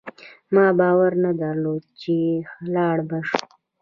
ما باور نه درلود چي لاړ به شو